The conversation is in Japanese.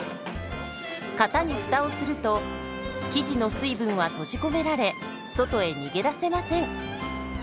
型にフタをすると生地の水分は閉じ込められ外へ逃げ出せません。